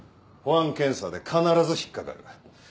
保安検査で必ず引っ掛かる。